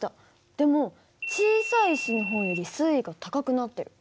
でも小さい石の方より水位が高くなってる。